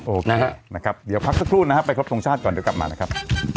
โอเคนะครับเดี๋ยวพักนึกถูกนะไปครบทุ่มชาติก่อนเดี๋ยวกลับมานะครับ